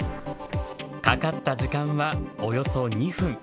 かかった時間はおよそ２分。